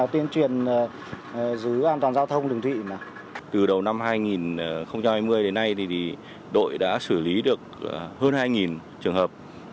trong mùa mưa bão năm nay đội đã xử lý được hơn hai trường hợp